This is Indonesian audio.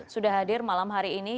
sudah hadir malam hari ini